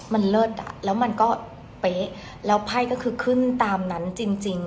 มันเลิศอ่ะแล้วมันก็เป๊ะแล้วไพ่ก็คือขึ้นตามนั้นจริง